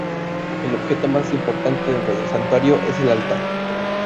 El objeto más importante dentro del Santuario es el altar.